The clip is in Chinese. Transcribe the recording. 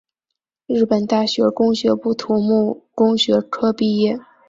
日本大学工学部土木工学科毕业。